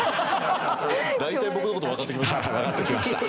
大体僕の事わかってきましたね。